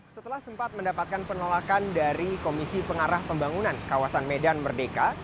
setelah sempat mendapatkan penolakan dari komisi pengarah pembangunan kawasan medan merdeka